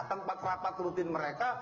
tanpa kelapat rutin mereka